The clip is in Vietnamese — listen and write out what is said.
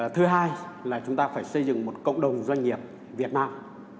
thứ hai là chúng ta phải xây dựng một cộng đồng doanh nghiệp việt nam